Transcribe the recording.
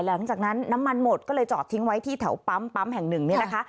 หลังจากนั้นน้ำมันหมดก็เลยจอดทิ้งไว้ที่แถวปั๊มแห่งหนึ่งเนี่ยนะคะ